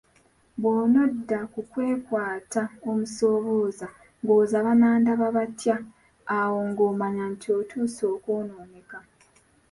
Bw'onodda mu kwekwata omusobooza ng'owoza banandaba batya awo ng'omanya nti otuuse okwonooneka.